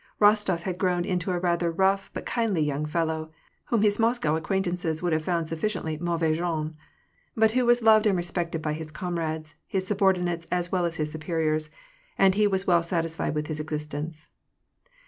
Rostof had grown into a rather rough but kindly young fellow, whom his Moscow acquaint anoes would have found sufficiently mauvais genre ; but who was loved and respected by his comrades, his subordinates as well as his superiors, and he was well satisfied with his existence.